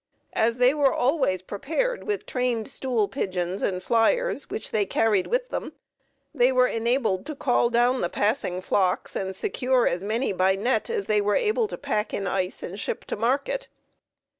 As they were always prepared with trained stool pigeons and flyers, which they carried with them, they were enabled to call down the passing flocks and secure as many by net as they were able to pack in ice and ship to market.